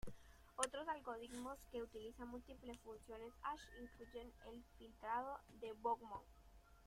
Otros algoritmos que utilizan múltiples funciones hash incluyen el filtrado de Bloom.